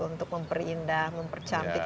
untuk memperindah mempercantik